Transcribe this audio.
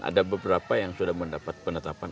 ada beberapa yang sudah mendapat penetapan